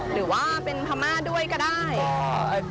หรือว่าเป็นพม่าด้วยก็ได้